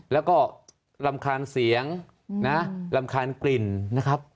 แล้วก็รำคาญเสียงนะรำคาญกลิ่นนะครับ